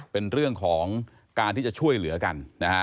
เป็นเรื่องของการที่จะช่วยเหลือกันนะฮะ